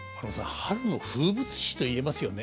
春の風物詩と言えますよね。